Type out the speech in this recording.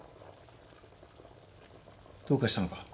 どうかしたのか？